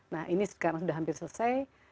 nah ini sekarang sudah hampir selesai